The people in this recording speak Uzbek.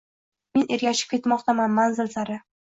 Men ergashib ketmoqdaman manzil sari